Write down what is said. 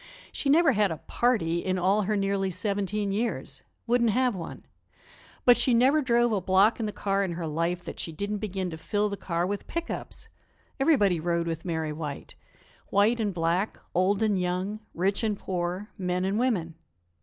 She never had a "party" in all her nearly seventeen years wouldn't have one; but she never drove a block in the car in her life that she didn't begin to fill the car with pick ups! Everybody rode with Mary White white and black, old and young, rich and poor, men and women.